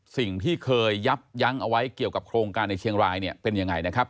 สิ่งที่เคยยับยั้งเอาไว้เกี่ยวกับโครงการในเชียงรายเนี่ยเป็นยังไงนะครับ